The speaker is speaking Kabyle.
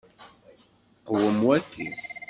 Qwem waki.